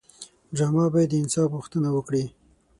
ډرامه باید د انصاف غوښتنه وکړي